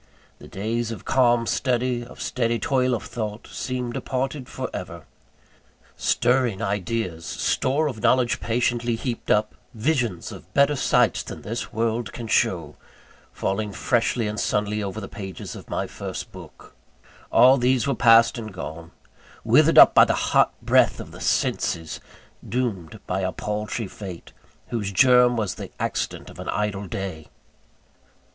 The days of calm study, of steady toil of thought, seemed departed for ever. Stirring ideas; store of knowledge patiently heaped up; visions of better sights than this world can show, falling freshly and sunnily over the pages of my first book; all these were past and gone withered up by the hot breath of the senses doomed by a paltry fate, whose germ was the accident of an idle day!